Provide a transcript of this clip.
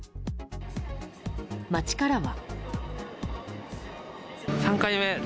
街からは。